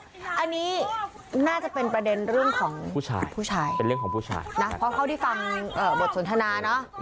นะนี่น่าจะเป็นประเด็นเรื่องของผู้ชายนะเพราะเขาที่ฟังบทสนทนาเนอะ